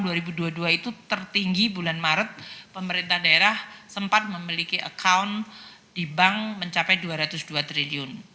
tahun dua ribu dua puluh dua itu tertinggi bulan maret pemerintah daerah sempat memiliki account di bank mencapai rp dua ratus dua triliun